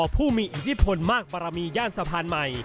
ผู้มีอิทธิพลมากบารมีย่านสะพานใหม่